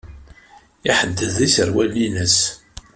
Iḥedded iserwalen-nnes.